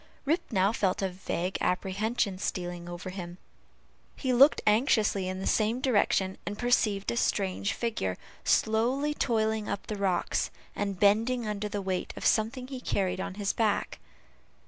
Rip now felt a vague apprehension stealing over him; he looked anxiously in the same direction, and perceived a strange figure slowly toiling up the rocks, and bending under the weight of something he carried on his back.